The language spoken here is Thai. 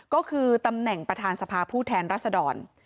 ก็คือตำแหน่งประธานสภาผู้แทนรัศดร